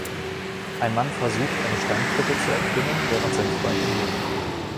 Ein Mann versucht, eine Steinklippe zu erklimmen, während sein Freund ihm hilft.